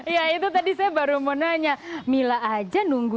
ya itu tadi saya baru mau nanya mila aja nunggu